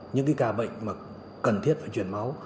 những cái ca bệnh mà cần thiết phải chuyển máu